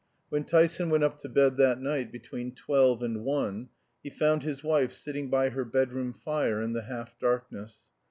When Tyson went up to bed that night between twelve and one, he found his wife sitting by her bedroom fire in the half darkness.